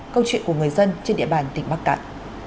câu chuyện của người dân trên địa bàn tỉnh bắc cạn